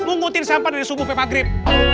ngungutin sampah dari subuh pepat grip